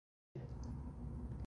وجدت أبا عبد الإله خليفة لصاحبه